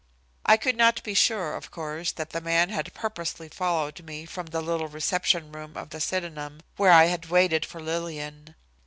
I could not be sure, of course, that the man had purposely followed me from the little reception room of the Sydenham, where I had waited for Lillian.